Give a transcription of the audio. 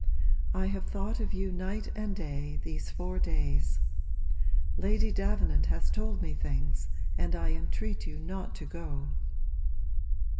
I have thought of you, night and day, these four days. Lady Davenant has told me things, and I entreat you not to go!'